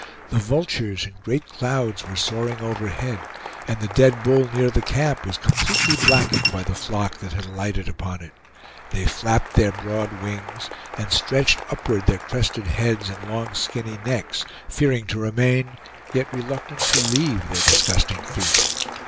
The vultures in great clouds were soaring overhead, and the dead bull near the camp was completely blackened by the flock that had alighted upon it; they flapped their broad wings, and stretched upward their crested heads and long skinny necks, fearing to remain, yet reluctant to leave their disgusting feast.